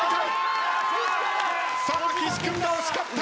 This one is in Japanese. さあ岸君が惜しかった。